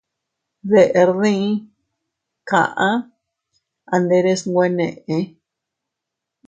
Deʼer dii, kaʼa a nderes nwe neʼe.